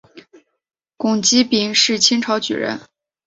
龚积柄是清朝举人。